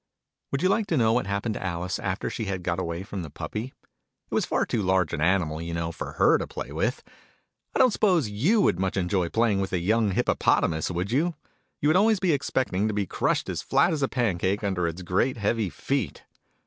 Would you like to know what happened to Alice, after she had got away from the Puppy ? It was far too large an animal, you know, for her to play with. ( I don't suppose you would much enjoy playing with a young Hippopotamus, would you ? You would always be expecting to he crushed as flat as a pancake under its great heavy feet